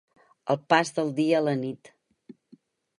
El pas del dia a la nit.